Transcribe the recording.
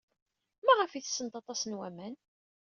Maɣef ay ttessent aṭas n waman?